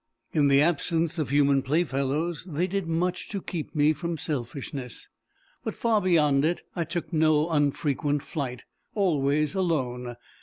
In the absence of human playfellows, they did much to keep me from selfishness. But far beyond it I took no unfrequent flight always alone.